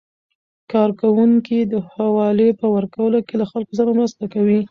کارکوونکي د حوالې په ورکولو کې له خلکو سره مرسته کوي.